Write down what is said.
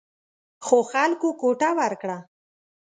خو خلکو ګوته ورکړه.